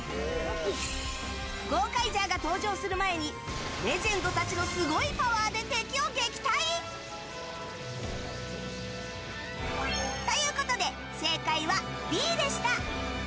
ゴーカイジャーが登場する前にレジェンドたちのすごいパワーで敵を撃退！ということで正解はＢでした。